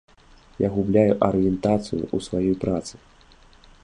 Я губляю арыентацыю ў сваёй працы.